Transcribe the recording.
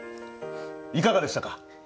いかがでしたか？